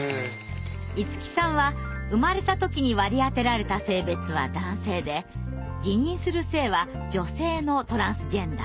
いつきさんは生まれた時に割り当てられた性別は男性で自認する性は女性のトランスジェンダー。